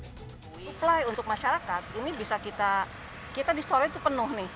supply untuk masyarakat kita di storage itu penuh nih